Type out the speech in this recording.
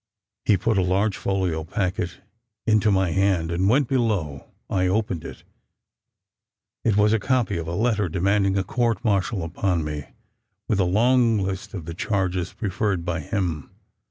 He put a large folio packet into my hand, and went below. I opened it: it was a copy of a letter demanding a court martial upon me, with a long list of the charges preferred by him.